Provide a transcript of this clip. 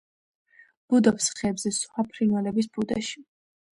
ბუდობს ხეებზე სხვა ფრინველების ბუდეში.